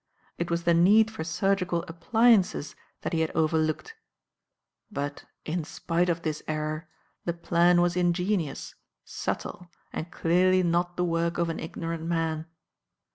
It was the need for surgical appliances that he had overlooked; but, in spite of this error, the plan was ingenious, subtle, and clearly not the work of an ignorant man.